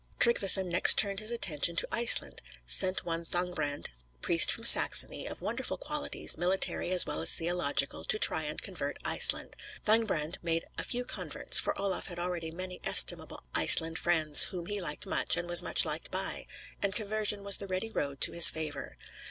Tryggveson next turned his attention to Iceland, sent one Thangbrand, priest from Saxony, of wonderful qualities, military, as well as theological, to try and convert Iceland. Thangbrand made a few converts; for Olaf had already many estimable Iceland friends, whom he liked much, and was much liked by; and conversion was the ready road to his favor.